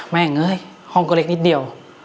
งเฮ้ยห้องก็เล็กนิดเดียว